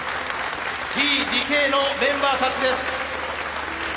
Ｔ・ＤＫのメンバーたちです。